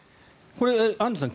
アンジュさん